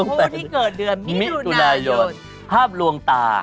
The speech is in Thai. พูดที่เกิดเดือนมิถุนายนภาพลวงตา